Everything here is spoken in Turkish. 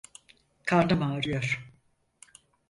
Karnım ağrıyor.